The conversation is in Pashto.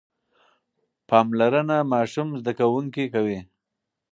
پاملرنه ماشوم زده کوونکی کوي.